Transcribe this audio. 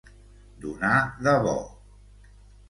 Donar de bo.